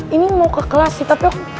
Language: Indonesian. ini mau ke kelas sih tapi